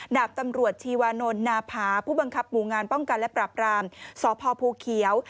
ดาบตำรวจชีวานนท์นาภาผู้บังคับหมู่งานป้องกันและปรับรามสพภูเขียว